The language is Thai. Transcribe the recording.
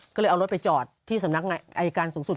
ก็เลยเอารถไปจอดที่สำนักอายการสูงสุด